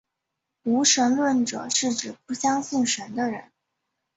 无神论者是指不相信神的人。